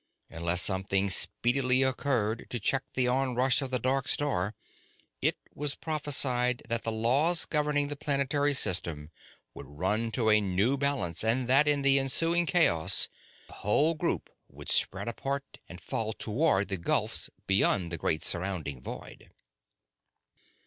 Unless something speedily occurred to check the onrush of the dark star, it was prophesied that the laws governing the planetary system would run to a new balance, and that in the ensuing chaos the whole group would spread apart and fall toward the gulfs beyond the great surrounding void.